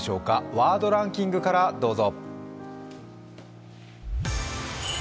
ワードランキングからどうぞ。